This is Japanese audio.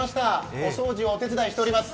お掃除をお手伝いしております。